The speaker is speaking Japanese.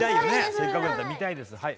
せっかくだったら見たいですはい。